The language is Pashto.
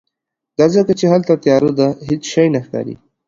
دا ځکه چې هلته تیاره ده، هیڅ شی نه ښکاری